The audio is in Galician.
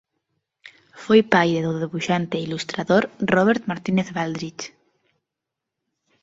Foi pai do debuxante e ilustrador Robert Martínez Baldrich.